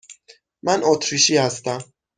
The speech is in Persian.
من اتریشی هستم.